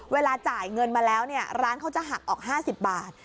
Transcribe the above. เวลาจ่ายเงินมาแล้วเนี่ยร้านเขาจะหักออก๕๐บาท